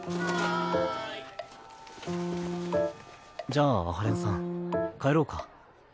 じゃあ阿波連さん帰ろうか。